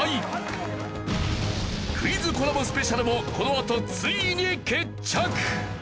クイズコラボスペシャルもこのあとついに決着！